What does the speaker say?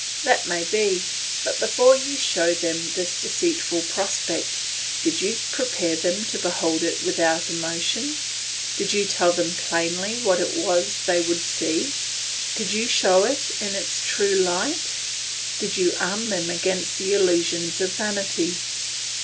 That may be; but before you showed them this deceitful prospect, did you prepare them to behold it without emotion? Did you tell them plainly what it was they would see? Did you show it in its true light? Did you arm them against the illusions of vanity?